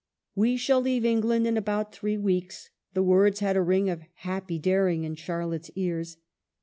" We shall leave England in about three weeks." The words had a ring of happy dar ing in Charlotte's ears.